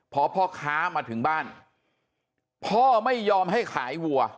พอพ่อค้ามาถึงบ้านพ่อไม่ยอมให้ขายวัว